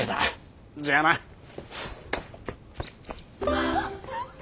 ああ！